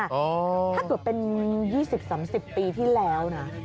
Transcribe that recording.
ถ้าเกิดเป็น๒๐๓๐ปีที่แล้วนะ